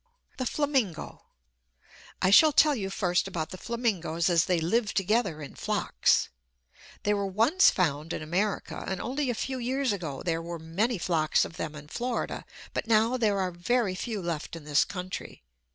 The Flamingo I shall tell you first about the flamingos, as they live together in flocks. They were once found in America, and only a few years ago there were many flocks of them in Florida, but now there are very few left in this country.